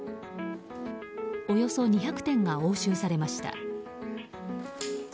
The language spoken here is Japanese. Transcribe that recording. およそ２００点が押収されました。